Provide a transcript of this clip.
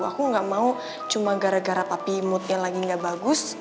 aku nggak mau cuma gara gara papi moodnya lagi gak bagus